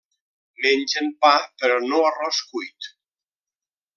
Mengen pa, però no arròs cuit.